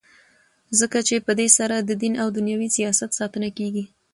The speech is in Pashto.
ځکه چي په دی سره ددین او دینوي سیاست ساتنه کیږي.